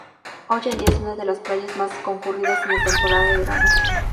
Hoy día es una de las playas más concurridas en la temporada de verano.